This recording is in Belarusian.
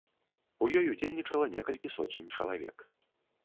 У ёй удзельнічала некалькі соцень чалавек.